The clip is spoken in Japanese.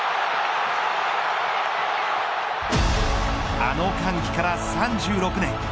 あの歓喜から３６年。